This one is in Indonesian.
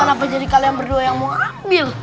kenapa jadi kalian berdua yang mau ambil